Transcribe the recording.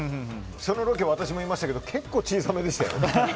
そのロケ私もいましたけど結構小さめでしたよ。